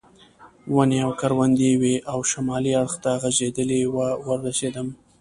ونې او کروندې وې او شمالي اړخ ته غځېدلې وه ورسېدم.